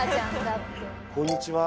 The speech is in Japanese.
こんにちは。